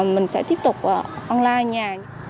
mình sẽ tiếp tục online nhà